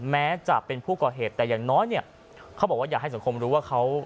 แม้จะเป็นผู้ก่อเหตุแต่อย่างน้อยเนี่ยเขาบอกว่าอยากให้สังคมรู้ว่าเขา